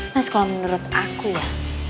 mas kalau menurut aku ya